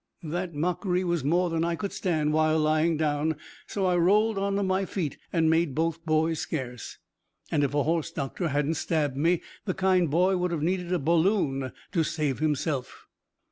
That mockery was more than I could stand while lying down, so I rolled on to my feet and made both boys scarce. And if a horse doctor hadn't stabbed me, the kind boy would have needed a balloon to save himself.